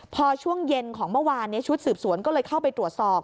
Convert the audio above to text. พอช่วงเย็นของเมื่อวานชุดสืบสวนก็เลยเข้าไปตรวจสอบ